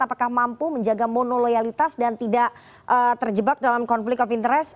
apakah mampu menjaga monoloyalitas dan tidak terjebak dalam konflik of interest